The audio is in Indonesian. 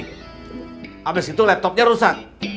habis itu laptopnya rusak